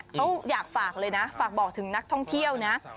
เขาอยากฝากเลยนะฝากบอกถึงนักท่องเที่ยวนะ